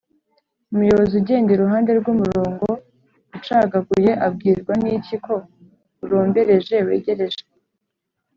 umuyobozi ugenda iruhande rw’umurongo ucagaguye abwirwa niki ko urombereje wegereje?